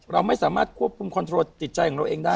เราไม่สามารถควบคุมคอนโทรจิตใจของเราเองได้